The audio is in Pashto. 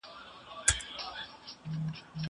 زه کتابونه نه ليکم..